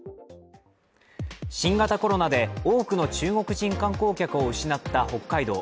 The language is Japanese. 新型コロナで多くの中国人観光客を失った北海道。